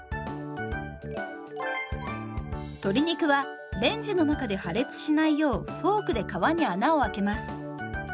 鶏肉はレンジの中で破裂しないようフォークで皮に穴をあけます。